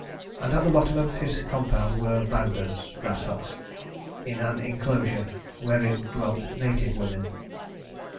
... And at the bottom of his compound were bandas, grass huts, in an enclosure, wherein dwelt native women.